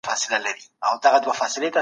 ولي د ټرانسپورتي لارو خرابوالی صنعت زیانمنوي؟